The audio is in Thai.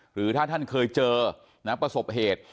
หรือถ้าท่านเคยเจอประสบเหตุ